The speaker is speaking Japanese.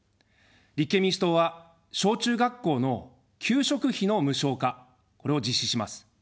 立憲民主党は、小・中学校の給食費の無償化、これを実施します。